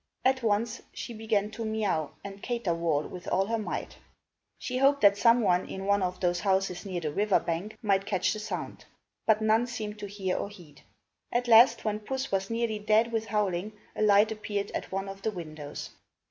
At once she began to meouw and caterwaul with all her might. She hoped that some one in one of the houses near the river bank might catch the sound. But none seemed to hear or heed. At last, when Puss was nearly dead with howling, a light appeared at one of the windows.